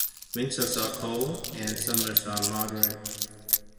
Winters are cold and summers are moderate.